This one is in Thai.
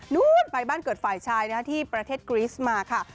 นู้นไปบ้านเกิดฝ่ายชายที่ประเทศกรีสมาค่ะ